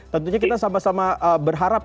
tentunya kita sama sama berharap